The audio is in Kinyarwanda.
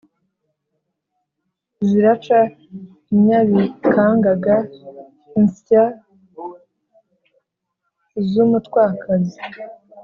ziraca i nyabikangaga: insya z'umutwakazi